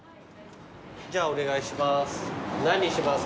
じゃお願いします。